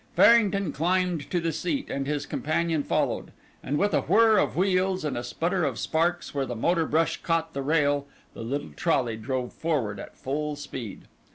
Farrington climbed to the seat, and his companion followed, and with a whirr of wheels and a splutter of sparks where the motor brush caught the rail, the little trolley drove forward at full speed.